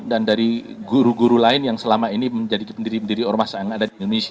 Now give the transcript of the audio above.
dari guru guru lain yang selama ini menjadi pendiri pendiri ormas yang ada di indonesia